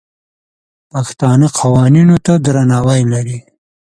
پښتانه قوانینو ته درناوی لري.